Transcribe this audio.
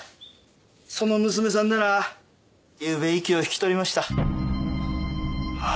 その娘さんならゆうべ息を引き取りましたはぁ？